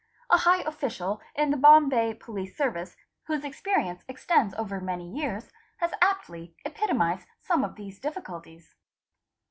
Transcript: a high official in the Bombay Police Service, whose experience extends over many years, has aptly ' itomised some of these difficulties.